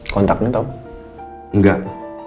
kontaknya tau gak